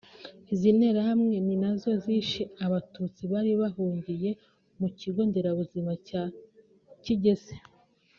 Izi nterahamwe ni nazo zishe Abatutsi bari bahungiye mu Kigo Nderabuzima cya Kigese